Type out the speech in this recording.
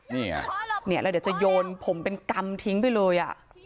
เนี้ยเราเดี๋ยวจะโยนผมเป็นกำทิ้งไปเลยอ่ะ